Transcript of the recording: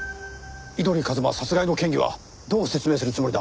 井鳥一馬殺害の嫌疑はどう説明するつもりだ？